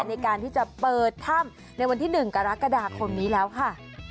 ในการที่จะเปิดถ้ำในวันที่๑กรกฎาคมนี้แล้วค่ะ